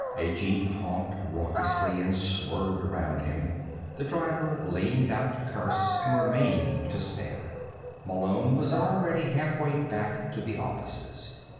A jeep honked raucously and swerved around him. The driver leaned out to curse and remained to stare. Malone was already halfway back to the offices.